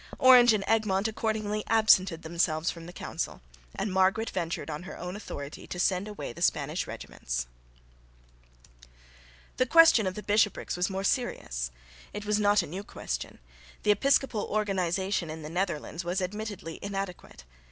Orange and Egmont accordingly absented themselves from the Council, and Margaret ventured on her own authority to send away the Spanish regiments. The question of the bishoprics was more serious. It was not a new question. The episcopal organisation in the Netherlands was admittedly inadequate.